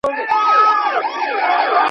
د دې علومو ساحه څه ناڅه ټاکلي او مشخصه وي.